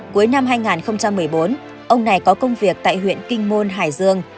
cuối năm hai nghìn một mươi bốn ông này có công việc tại huyện kinh môn hải dương